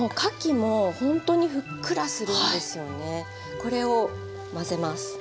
これを混ぜます。